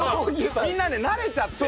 みんなね慣れちゃってるんだよ。